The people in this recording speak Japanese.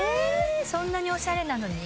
そんなにおしゃれなのに？